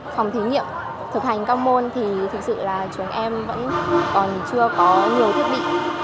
phòng thí nghiệm thực hành các môn thì thực sự là chúng em vẫn còn chưa có nhiều thiết bị